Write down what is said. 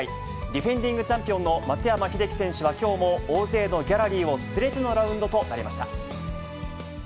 ディフェンディングチャンピオンの松山英樹選手はきょうも、大勢のギャラリーを連れてのラウンドとなりました。